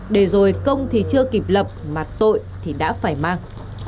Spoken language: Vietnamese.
để rồi công thì chưa kịp lập mà tội thì đã phải mang